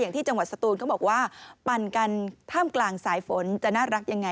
ที่จังหวัดสตูนเขาบอกว่าปั่นกันท่ามกลางสายฝนจะน่ารักยังไง